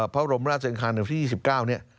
พระอบรมราชเสริงคาน๑๙๒๙นี่